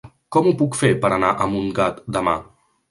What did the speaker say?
Com ho puc fer per anar a Montgat demà?